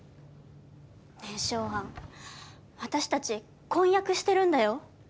ねえショウアン私たち婚約してるんだよ。